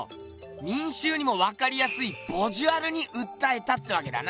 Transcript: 民衆にもわかりやすいボジュアルにうったえたってわけだな！